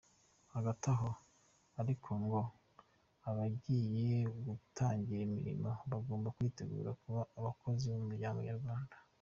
Hagati aho ariko ngo abagiye gutangira imirimo bagomba kwitegura kuba abakozi b’umuryango nyarwanda.